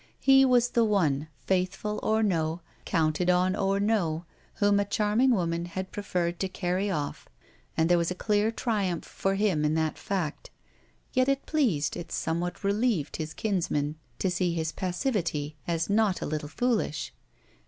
He was the one, faithful or no, counted on or no, whom a charming woman had preferred to carry off, and there was clear triumph for him in that fact. Yet it pleased, it somewhat relieved, his kinsman to see his passivity as not a little foolish.